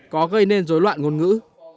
có gây nên dối loạn ngôn ngữ